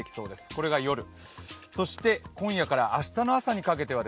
これが夜、そして今夜から明日の朝にかけては。